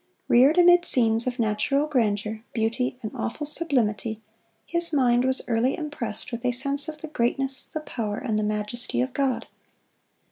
Reared amid scenes of natural grandeur, beauty, and awful sublimity, his mind was early impressed with a sense of the greatness, the power, and the majesty of God.